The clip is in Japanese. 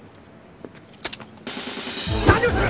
何をする！？